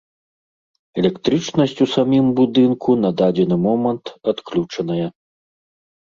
Электрычнасць у самім будынку на дадзены момант адключаная.